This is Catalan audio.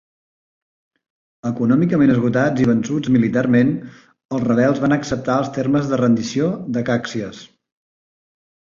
Econòmicament esgotats i vençuts militarment, els rebels van acceptar els termes de rendició de Caxias.